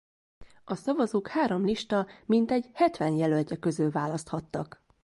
A szavazók három lista mintegy hetven jelöltje közül választhattak.